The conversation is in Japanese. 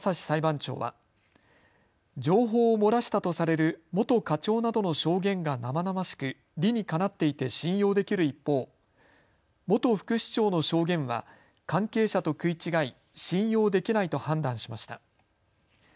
裁判長は情報を漏らしたとされる元課長などの証言が生々しく理にかなっていて信用できる一方、元副市長の証言は関係者と食い違い信用できないと判断しました。